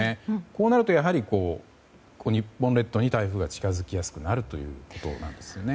こうなると日本列島に台風が近づきやすくなるということなんですね。